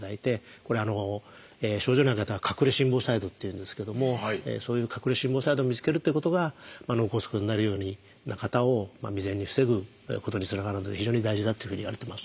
これは症状のない方「隠れ心房細動」っていうんですけどもそういう隠れ心房細動を見つけるっていうことが脳梗塞になるような方を未然に防ぐことにつながるんで非常に大事だっていうふうにいわれてます。